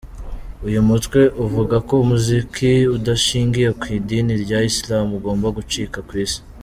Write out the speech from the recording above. Uyu mutwe uvuga ko umuziki udashingiye ku idini rya Islam ugomba gucika ku isi.